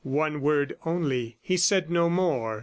. one word only. He said no more.